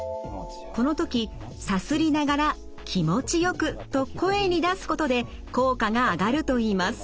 この時さすりながら「気持ちよく」と声に出すことで効果が上がるといいます。